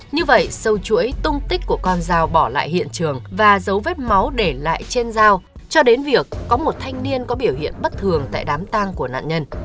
như vậy sâu chuỗi tung tích của con dao bỏ lại hiện trường và dấu vết máu để lại trên dao cho đến việc có một thanh niên có biểu hiện bất thường tại đám tang của nạn nhân